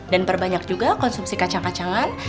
dan berbanyak juga konsumsi kacang kacangan